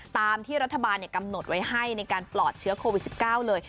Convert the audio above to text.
ตามที่รัฐบาลกำหนดไว้ให้ในการปลอดเชื้อโควิด๑๙เลย